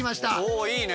おいいね。